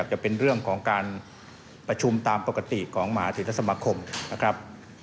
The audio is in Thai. เกี่ยวกับจะเป็นเรื่องของการประชุมตามปกติของหมาธิสมคมนะครับ